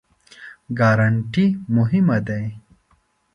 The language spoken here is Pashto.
ګارنټي مهمه دی؟